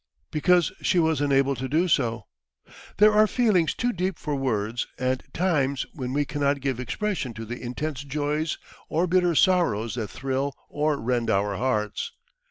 Because she was unable to do so. There are feelings too deep for words, and times when we cannot give expression to the intense joys or bitter sorrows that thrill or rend our hearts.